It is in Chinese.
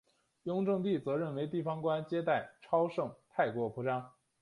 雍正帝则认为地方官接待超盛太过铺张。